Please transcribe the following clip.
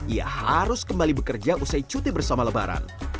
ia harus kembali bekerja usai cuti bersama lebaran